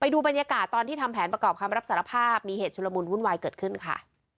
ดูบรรยากาศตอนที่ทำแผนประกอบคำรับสารภาพมีเหตุชุลมุนวุ่นวายเกิดขึ้นค่ะ